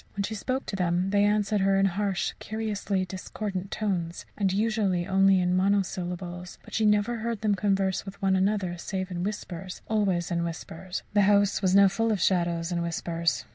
When she spoke to them they answered her in harsh, curiously discordant tones, and usually only in monosyllables; but she never heard them converse with one another save in whispers always in whispers. The house was now full of shadows and whispers.